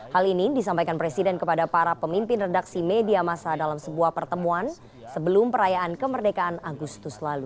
hal ini disampaikan presiden kepada para pemimpin redaksi media masa dalam sebuah pertemuan sebelum perayaan kemerdekaan agustus lalu